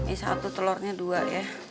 ini satu telurnya dua ya